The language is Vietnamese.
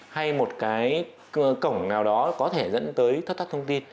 hay một cái cổng nào đó có thể dẫn tới thất thoát thông tin